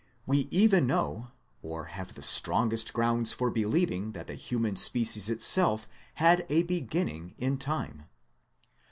We even know, or have the strongest grounds for believing that the human species itself had a beginning in time.